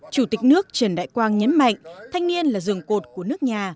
chủ tịch nước trần đại quang nhấn mạnh thanh niên là dường cột của nước nhà